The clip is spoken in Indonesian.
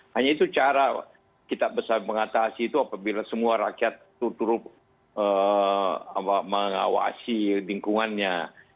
hanya itu cara kita bisa mengatasi itu apabila semua rakyat mengawasi lingkungannya